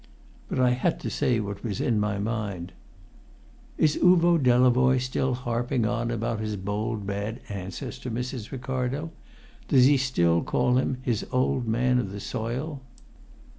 But I had to say what was in my mind. "Is Uvo Delavoye still harping on about his bold bad ancestor, Mrs. Ricardo? Does he still call him his old man of the soil?"